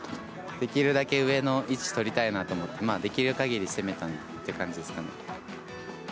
できるだけ上の位置取りたいなと思って、できるかぎり攻めたって感じですかね。